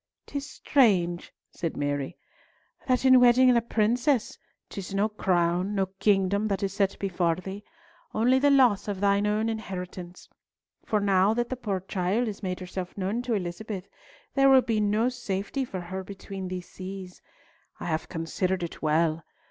"'Tis strange," said Mary, "that in wedding a princess, 'tis no crown, no kingdom, that is set before thee, only the loss of thine own inheritance. For now that the poor child has made herself known to Elizabeth, there will be no safety for her between these seas. I have considered it well.